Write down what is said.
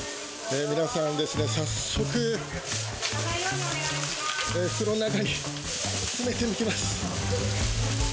皆さんですね、早速、袋の中に詰めていきます。